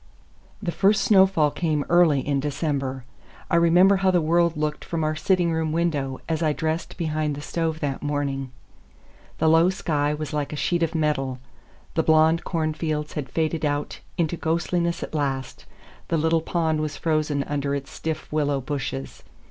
IX THE first snowfall came early in December. I remember how the world looked from our sitting room window as I dressed behind the stove that morning: the low sky was like a sheet of metal; the blond cornfields had faded out into ghostliness at last; the little pond was frozen under its stiff willow bushes.